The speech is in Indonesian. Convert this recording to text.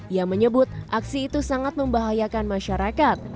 ia menyebut aksi itu sangat membahayakan masyarakat